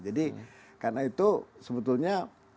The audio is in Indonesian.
jadi karena itu sebetulnya